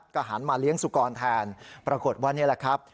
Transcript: ก็หันมาเลี้ยงสุกรแทนปรากฏว่านี่แหละครับ